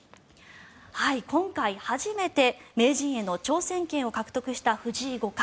今回、初めて名人への挑戦権を獲得した藤井五冠。